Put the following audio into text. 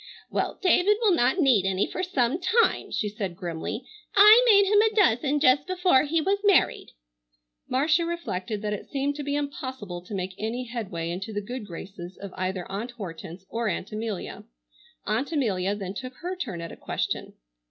"Well, David will not need any for some time," she said grimly. "I made him a dozen just before he was married." Marcia reflected that it seemed to be impossible to make any headway into the good graces of either Aunt Hortense or Aunt Amelia. Aunt Amelia then took her turn at a question.